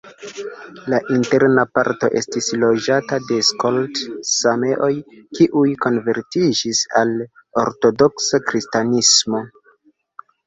La interna parto estis loĝata de skolt-sameoj, kiuj konvertiĝis al ortodoksa kristanismo.